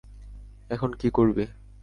এখন কী করবি?